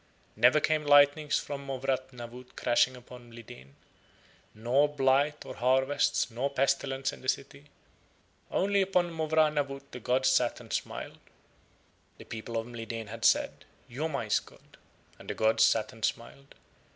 Never came lightnings from Mowrah Nawut crashing upon Mlideen, nor blight on harvests nor pestilence in the city, only upon Mowrah Nawut the gods sat and smiled. The people of Mlideen had said: "Yoma is god." And the gods sat and smiled.